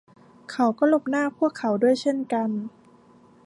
เขาก็หลบหน้าพวกเขาด้วยเช่นกัน